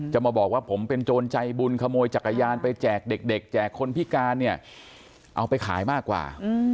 จะมาบอกว่าผมเป็นโจรใจบุญขโมยจักรยานไปแจกเด็กแจกคนพิการเนี่ยเอาไปขายมากกว่า